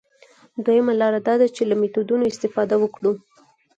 دویمه لاره دا ده چې له میتودونو استفاده وکړو.